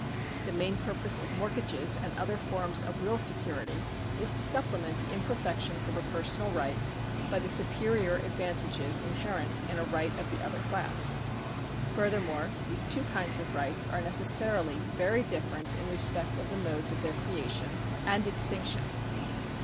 The main purpose of mortgages and other forms of real security is to supplement the imperfections of a personal right by the superior advantages inherent in a right of the other class. Furthermore, these two kinds of rights are necessarily very different in respect of the modes of their creation and extinction.